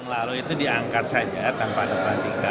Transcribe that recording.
lalu itu diangkat saja tanpa ada selantikan